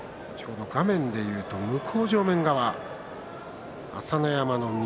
画面でいうと向正面側朝乃山の右。